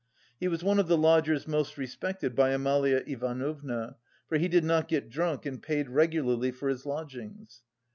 He was one of the lodgers most respected by Amalia Ivanovna, for he did not get drunk and paid regularly for his lodgings.